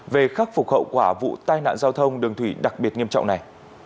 về khắc phục hậu quả vụ tai nạn giao thông đường thủy đặc biệt nghiêm trọng này